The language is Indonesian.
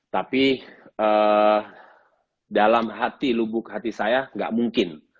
tapi dalam lubuk hati saya tidak mungkin